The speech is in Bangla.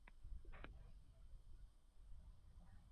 ম্যাজিস্ট্রেট কহিলেন, তবে ঘোষপুর-চরে তুমি কী করতে এসেছ?